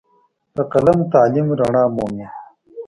په قلم تعلیم رڼا مومي.